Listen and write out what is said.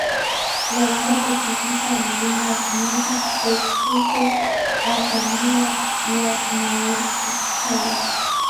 La banda participa en Lima Music Fest junto a Camila y a Noel Schajris.